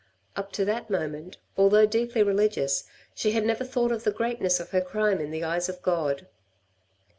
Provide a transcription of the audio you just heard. Up to that moment, although deeply religious, she had never thought of the greatness of her crime in the eyes of God.